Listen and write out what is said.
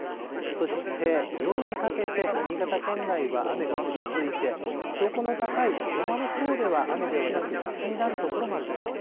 そして夜にかけて、新潟県内は雨が降り続いて、標高の高い山のほうでは雨ではなく、雪になる所もあるでしょう。